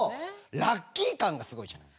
ラッキー感がすごいじゃない。